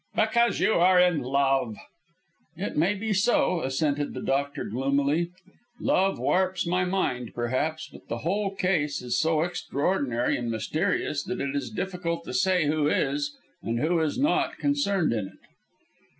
"Because you are in love!" "It may be so," assented the doctor, gloomily. "Love warps my mind, perhaps, but the whole case is so extraordinary and mysterious that it is difficult to say who is, and who is not, concerned in it."